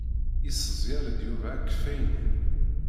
Yesseẓɣel-d Yuba akeffay-nni.